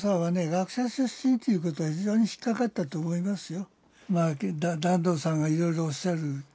学者出身ということが非常に引っ掛かったと思いますよ。